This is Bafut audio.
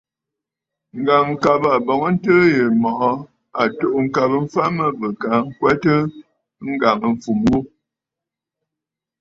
Ŋ̀gàŋkabə àbɔ̀ŋəntɨɨ yì mɔ̀ʼɔ à tù'û ŋ̀kabə mfa mə bɨ ka ŋkwɛtə ŋgàŋâfumə ghu.